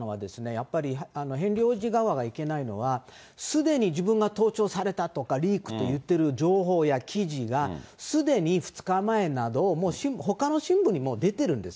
やっぱりヘンリー王子側がいけないのは、すでに自分が盗聴されたとか、リークって言ってる情報や記事が、すでに２日前など、もうほかの新聞にももう出てるんです。